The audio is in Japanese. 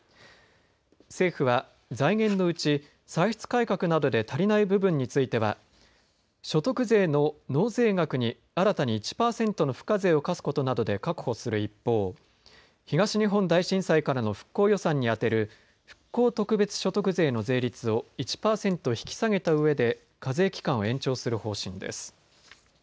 政府は財源のうち歳出改革などで足りない部分については所得税の納税額に新たに１％の付加税を課すことなどで確保する一方、東日本大震災からの復興予算に充てる復興特別所得税の税率を１％引き下げたうえで課税期間を延長する方針です。